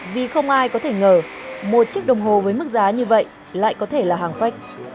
vì không ai có thể ngờ một chiếc đồng hồ với mức giá như vậy lại có thể là hàng phách